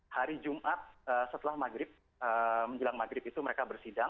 hari jumat setelah maghrib menjelang maghrib itu mereka bersidang